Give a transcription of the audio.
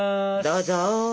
どうぞ。